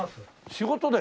仕事で？